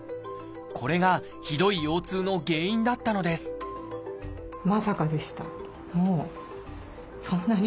これがひどい腰痛の原因だったのですまさかでした。